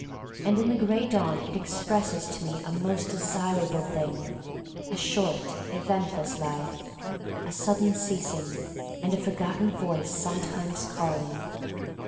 And in the Gray Dawn it expresses to me a most desirable thing — a short, eventless life, a sudden ceasing, and a forgotten voice sometimes calling.